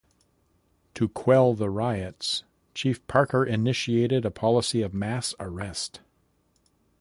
To quell the riots, Chief Parker initiated a policy of mass arrest.